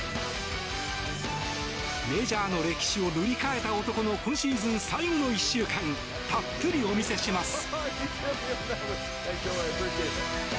メジャーの歴史を塗り替えた男の今シーズン最後の１週間たっぷりお見せします。